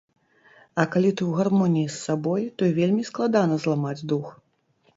А калі ты ў гармоніі з сабой, то вельмі складана зламаць дух.